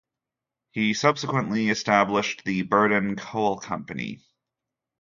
He subsequently established the Burton Coal Company.